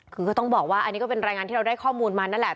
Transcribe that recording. คือก็ต้องบอกว่าอันนี้ก็เป็นรายงานที่เราได้ข้อมูลมานั่นแหละ